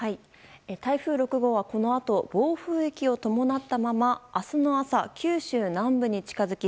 台風６号はこの後、暴風域を伴ったまま明日の朝、九州南部に近づき